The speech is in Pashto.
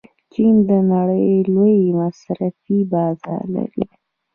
چین د نړۍ لوی مصرفي بازار لري.